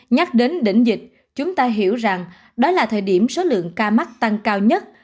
nhắc đến đỉnh dịch chúng ta hiểu rằng đó là thời điểm số lượng ca mắc tăng cao nhất